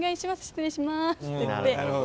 失礼しますって言って。